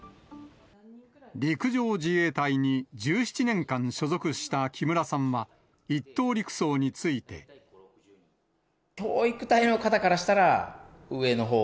陸上自衛隊に１７年間所属した木村さんは、教育隊の方からしたら、上のほう。